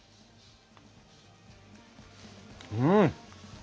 うん。